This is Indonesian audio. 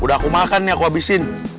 udah aku makan nih aku habisin